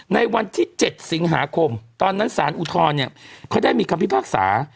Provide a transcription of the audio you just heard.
ในวันที่๗สิงหาคมตอนนั้นสารอุทธรณ์เนี่ยเขาได้มีคำพิพากษา